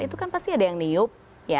itu kan pasti ada yang niup